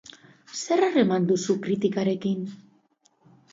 Zer harreman duzu kritikarekin?